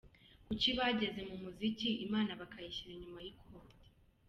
Kuki bageze mu muziki Imana bakayishyira inyuma y’ikoti?.